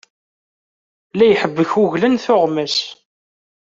La iḥebbek uglan, tuɣmas.